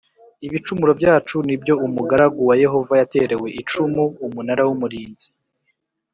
Ibicumuro byacu ni byo umugaragu wa Yehova yaterewe icumu Umunara w Umurinzi